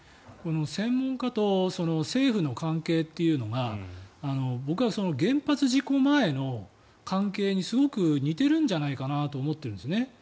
専門家と政府の関係というのが僕は原発事故前の関係にすごく似てるんじゃないかなと思っているんですね。